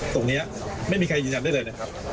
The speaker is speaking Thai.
ตรงนี้ไม่มีใครยืนยันได้เลยนะครับ